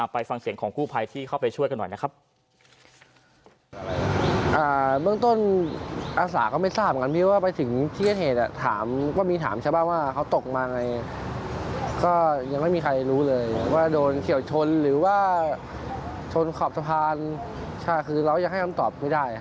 ไปฟังเสียงของกู้ภัยที่เข้าไปช่วยกันหน่อยนะครับ